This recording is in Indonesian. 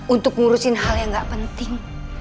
untuk ngurusin hal yang gak penting